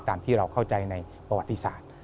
ตามที่เราเข้าใจในประวัติศาสตร์